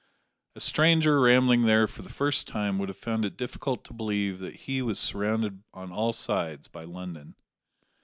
A stranger, rambling there for the first time would have found it difficult to believe that he was surrounded on all sides by London!